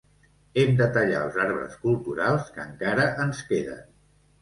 Hem de tallar els arbres culturals que encara ens queden.